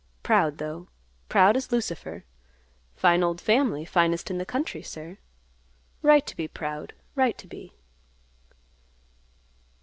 Proud, though; proud as Lucifer. Fine old, family; finest in the country, sir. Right to be proud, right to be."